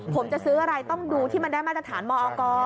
ผมจะซื้ออะไรต้องดูที่มันได้มาตรฐานมอก